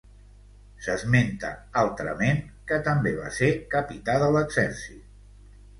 S'esmenta, altrament, que també va ser capità de l'exèrcit.